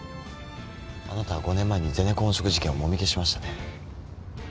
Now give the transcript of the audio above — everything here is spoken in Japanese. あなたは５年前にゼネコン汚職事件をもみ消しましたね。